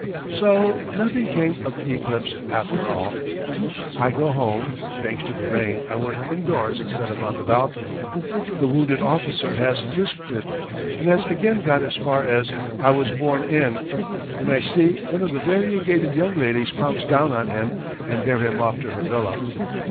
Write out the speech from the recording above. So nothing came of the eclipse after all. I go home. Thanks to the rain, I work indoors instead of on the balcony. The wounded officer has risked it, and has again got as far as "I was born in ..." when I see one of the variegated young ladies pounce down on him and bear him off to her villa.